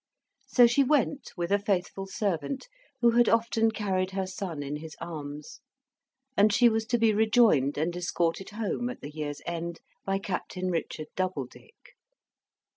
So she went with a faithful servant, who had often carried her son in his arms; and she was to be rejoined and escorted home, at the year's end, by Captain Richard Doubledick.